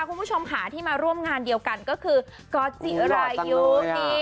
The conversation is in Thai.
คุณผู้ชมหาที่มาร่วมงานเดียวกันก็คือกอจิอรายุโหหลอดจังเลยอ่ะ